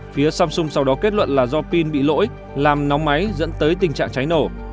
phía samsung sau đó kết luận là do pin bị lỗi làm nóng máy dẫn tới tình trạng cháy nổ